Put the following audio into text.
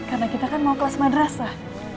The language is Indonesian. karena kita kan mau kelas madrasah